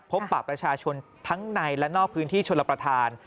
พบปะประชาชนทั้งในและนอกพื้นที่ชนรับประทาน